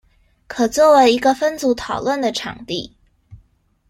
可作為一個分組討論的場地